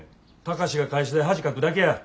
貴司が会社で恥かくだけや。